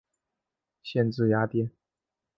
县治雅典。